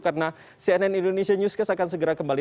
karena cnn indonesia newscast akan segera kembali